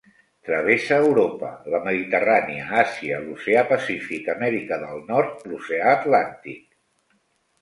Travessa Europa, la Mediterrània Àsia, l'Oceà Pacífic, Amèrica del Nord l'oceà Atlàntic.